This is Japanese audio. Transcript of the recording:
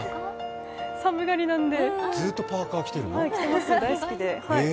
寒がりなんで。